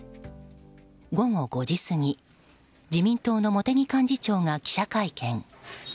午後５時過ぎ自民党の茂木幹事長が記者会見。